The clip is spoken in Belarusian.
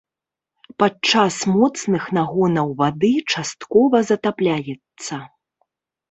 Падчас моцных нагонаў вады часткова затапляецца.